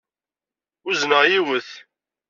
Uzneɣ yiwet.